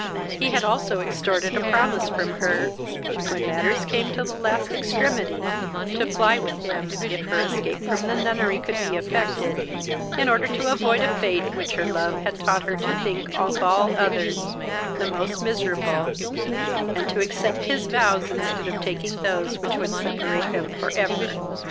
He had also extorted a promise from her, when matters came to the last extremity, to fly with him, if her escape from the nunnery could be effected, in order to avoid a fate which her love had taught her to think of all others the most miserable, and to accept his vows instead of taking those which would separate them for ever.